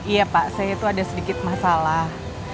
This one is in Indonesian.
iya pak saya itu ada sedikit masalah